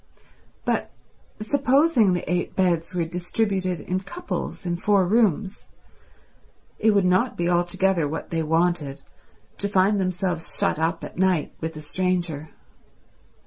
But supposing the eight beds were distributed in couples in four rooms, it would not be altogether what they wanted, to find themselves shut up at night with a stranger.